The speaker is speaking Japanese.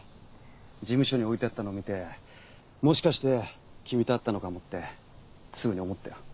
事務所に置いてあったのを見てもしかして君と会ったのかもってすぐに思ったよ。